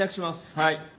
はい。